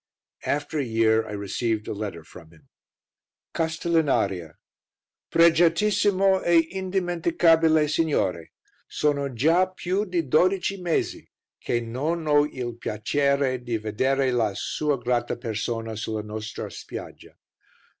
After a year I received a letter from him. "CASTELLINARIA. "PREGIATISSIMO E INDIMENTICABILE SIGNORE! "Sono gia piu di dodeci mesi che non ho il piacere di vedere la sua grata persona sulla nostra spiaggia.